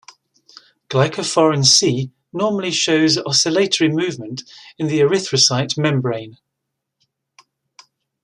Glycophorin C normally shows oscillatory movement in the erythrocyte membrane.